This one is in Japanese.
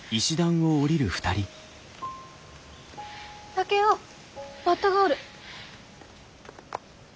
竹雄バッタがおる！